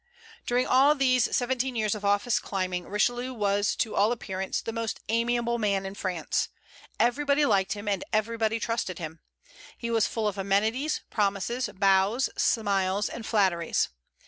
During all these seventeen years of office climbing, Richelieu was to all appearance the most amiable man in France; everybody liked him, and everybody trusted him. He was full of amenities, promises, bows, smiles, and flatteries.